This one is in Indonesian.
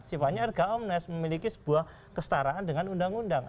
sifatnya erga omnes memiliki sebuah kestaraan dengan undang undang